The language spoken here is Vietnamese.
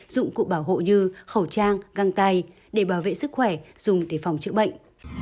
dụng cụ bảo hộ như khẩu trang găng tay để bảo vệ sức khỏe dùng để phòng chữa bệnh